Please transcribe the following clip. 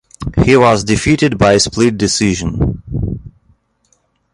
He was defeated by split decision.